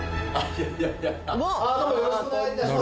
いやいやどうぞよろしくお願いいたします